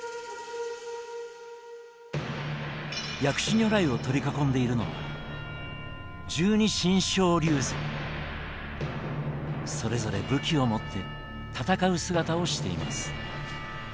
薬師如来を取り囲んでいるのはそれぞれ武器を持って戦う姿をしています。